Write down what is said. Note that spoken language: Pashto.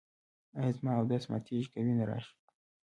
ایا زما اودس ماتیږي که وینه راشي؟